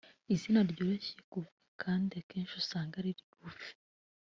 Izina ryoroshye kuvuga kandi akenshi usanga ari rigufi